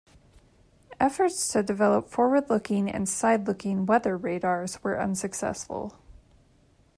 Efforts to develop forward-looking and side-looking weather radars were unsuccessful.